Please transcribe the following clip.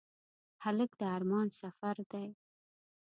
هلک د ارمان سفر دی.